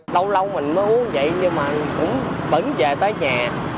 lâu lâu mình mới uống vậy nhưng mà cũng bẩn về tới nhà